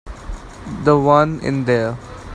The one in there.